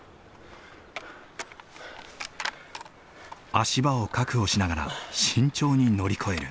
足場を確保しながら慎重に乗り越える。